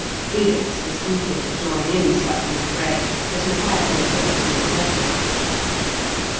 Felix was eager to join in such an affray, but he had no horse nor weapon.